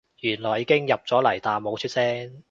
原來已經入咗嚟但冇出聲